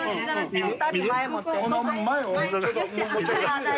二人で前持って。